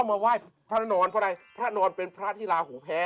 มาไหว้พระนอนพออะไรพระนอนเป็นพระทิราโหแพ้